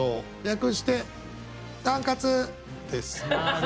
略して「タンカツ」です。